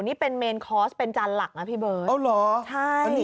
นี่เป็นเมนคอร์สเป็นจานหลักนะพี่เบิร์ช